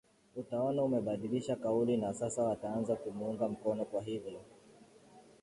utaona wamebadilisha kauli na sasa wataanza kumuunga mkono kwa hivyo